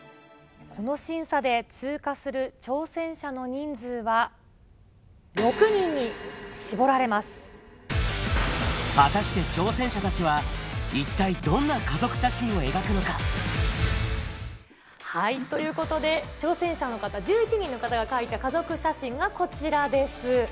この審査で通過する挑戦者の人数は、果たして挑戦者たちは、ということで、挑戦者の方、１１人の方が描いた家族写真がこちらです。